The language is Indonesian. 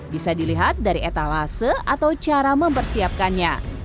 bisa dilihat dari etalase atau cara mempersiapkannya